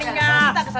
penggal di channelnyab